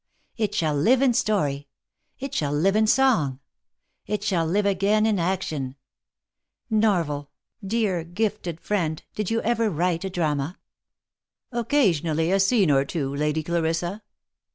it shall live in story — it shall live in song — it shall live again in action ! Norval, dear gifted friend, did you ever write a drama V " Occasionally a scene or two, Lady Clarissa."